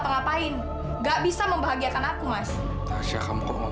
tenang bukan kalau itu nanti mother